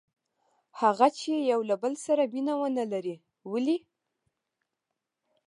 هغه چې یو له بل سره مینه ونه لري؟ ولې؟